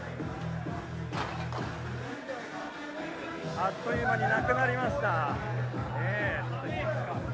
あっという間になくなりました。